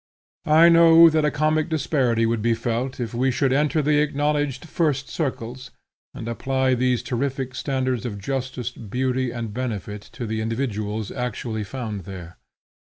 I know that a comic disparity would be felt, if we should enter the acknowledged 'first circles' and apply these terrific standards of justice, beauty, and benefit to the individuals actually found there.